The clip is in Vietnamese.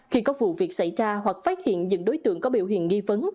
khi có vụ việc xảy ra hoặc phát hiện những đối tượng có biểu hiện nghi vấn